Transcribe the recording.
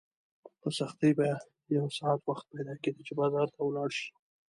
په سختۍ به یو ساعت وخت پیدا کېده چې بازار ته ولاړ شې.